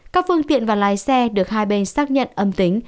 các phương tiện và lái xe được hai bên xác nhận âm tính